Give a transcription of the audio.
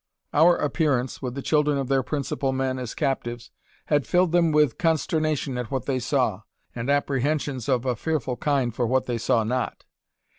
Our appearance, with the children of their principal men as captives, had filled them with consternation at what they saw, and apprehensions of a fearful kind for what they saw not.